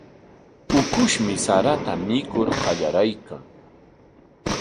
Ukushmi sarata mikur qallariykan.